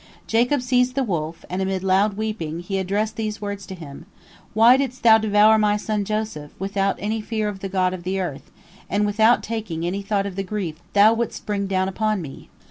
Jacob seized the wolf, and, amid loud weeping, he addressed these words to him: "Why didst thou devour my son Joseph, without any fear of the God of the earth, and without taking any thought of the grief thou wouldst bring down upon me?